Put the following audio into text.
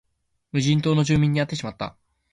無人島の住民に会ってしまった